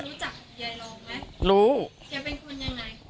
เฮียรองรู้จักเฮียรองไหม